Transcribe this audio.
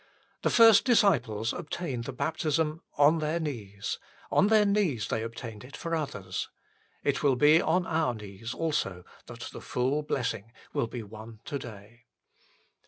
The first disciples obtained the baptism on their knees ; on their knees they obtained it for others. It will be on our knees also that the full blessing will be won to day.